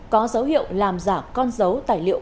có dấu hiệu làm giả con dấu tài liệu